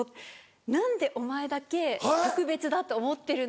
何でお前だけ特別だと思ってるんだ」